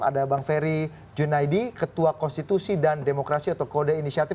ada bang ferry junaidi ketua konstitusi dan demokrasi atau kode inisiatif